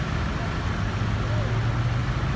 พร้อมต่ำยาว